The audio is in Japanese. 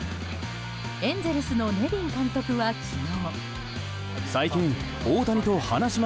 エンゼルスのネビン監督は昨日。